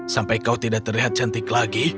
sampai kau tidak terlihat cantik lagi